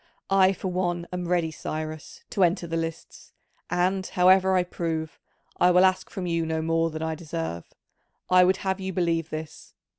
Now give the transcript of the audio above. I for one am ready, Cyrus, to enter the lists, and, however I prove, I will ask from you no more than I deserve: I would have you believe this.